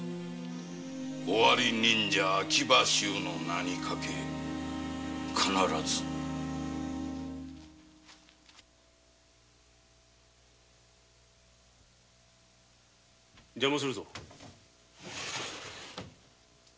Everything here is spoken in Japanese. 尾張忍者・秋葉衆の名にかけ必ず・邪魔するぞ。